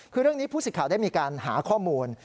คือเรื่องนี้ผู้สิทธิ์ข่าวได้มีการหาข้อมูล